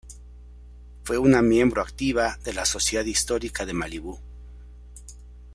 Fue una miembro activa de la Sociedad Histórica de Malibú.